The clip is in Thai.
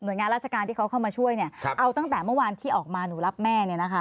หน่วยงานราชการที่เขาเข้ามาช่วยเอาตั้งแต่เมื่อวานที่ออกมาหนูรับแม่